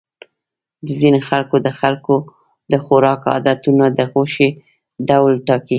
د ځینو خلکو د خوراک عادتونه د غوښې ډول ټاکي.